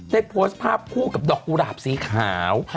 ได้โพสต์ภาพคู่กับดอกกุหลาบสีขาว